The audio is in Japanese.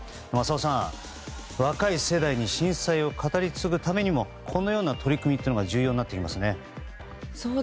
浅尾さん、若い世代に震災を語り継ぐためにもこのような取り組みっていうのが重要になってきますね。